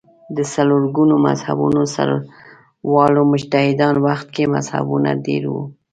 د څلور ګونو مذهبونو سروالو مجتهدانو وخت کې مذهبونه ډېر وو